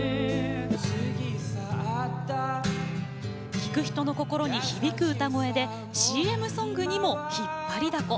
聴く人の心に響く歌声でＣＭソングにも引っ張りだこ。